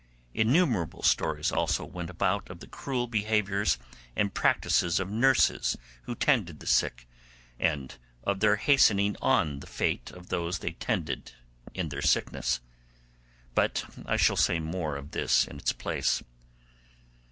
Innumerable stories also went about of the cruel behaviours and practices of nurses who tended the sick, and of their hastening on the fate of those they tended in their sickness. But I shall say more of this in its place.